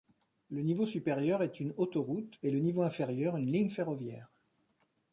Le niveau supérieur est une autoroute, et le niveau inférieur une ligne ferroviaire.